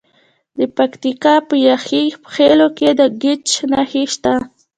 د پکتیکا په یحیی خیل کې د ګچ نښې شته.